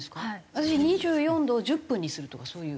私２４度を１０分にするとかそういう。